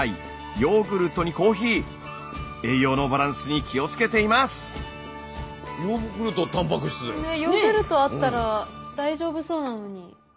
ヨーグルトあったら大丈夫そうなのに。